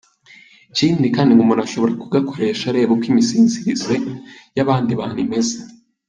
Ikindi kandi ngo umuntu ashobora kugakoresha areba uko imisinzirire y’abandi bantu imeze.